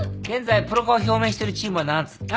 現在プロ化を表明してるチームは７つ。